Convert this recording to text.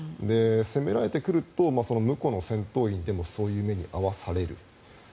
攻められてくると無この戦闘員でもそういう目に遭わされる。